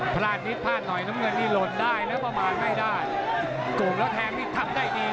พระติศภาคหน่อยน้ำเงินนี่หล่นได้แต่ประมาณได้โก่งแล้วแทงนี่ทำได้ดี